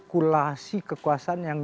ballet milik orang juga